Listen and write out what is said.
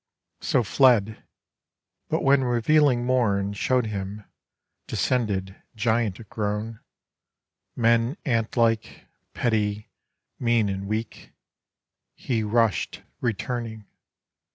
So fled. But when revealing Morn Show'd him, descended, giant grown, Men ant like, petty, mean and weak, He rush'd, returning.